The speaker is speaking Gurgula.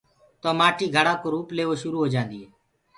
تو مآٽي گھڙآ ڪو روُپ ليوو شُرو هوجآندي هي۔